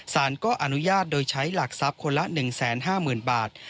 สารก็อนุญาตโดยใช้หลักทรัพย์คนละ๑๕๐๐๐บาท